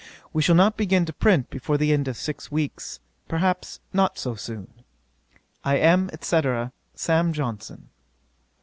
We shall not begin to print before the end of six weeks, perhaps not so soon. 'I am, &c. 'SAM. JOHNSON.'